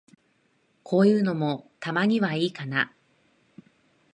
こういうのも、たまにはいいかな。